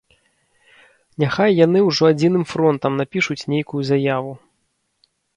Няхай яны ўжо адзіным фронтам напішуць нейкую заяву.